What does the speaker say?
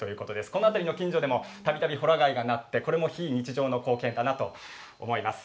この辺りの近所でも、たびたびほら貝が鳴って非日常の光景かなと思います。